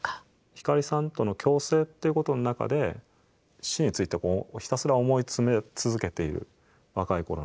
光さんとの共生っていうことの中で死についてひたすら思い詰め続けている若い頃の。